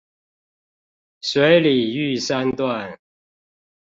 水里玉山段